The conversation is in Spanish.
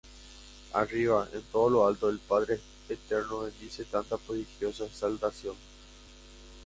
Arriba, en todo lo alto, el Padre Eterno bendice tan prodigiosa exaltación.